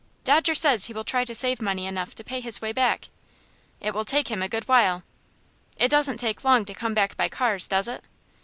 "Dodger says he will try to save money enough to pay his way back." "It will take him a good while." "It doesn't take long to come back by cars, does it?"